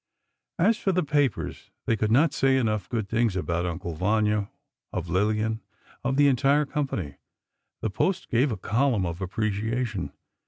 As for the papers, they could not say enough good things of "Uncle Vanya," of Lillian, of the entire company. The Post gave a column of appreciation.